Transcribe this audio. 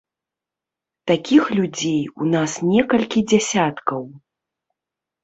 Такіх людзей у нас некалькі дзясяткаў.